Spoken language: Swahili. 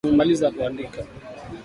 tumemaliza kuandika